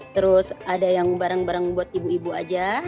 terus ada yang bareng bareng buat ibu ibu aja